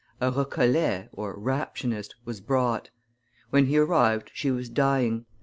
A Recollet (Raptionist) was brought; when he arrived she was dying.